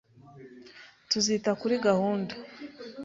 Tuzita kuri gahunda